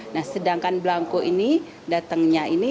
nah sedangkan belangko ini datangnya ini